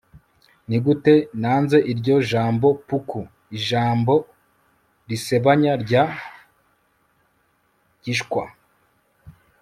nigute nanze iryo jambo, puku - ijambo risebanya rya 'gishya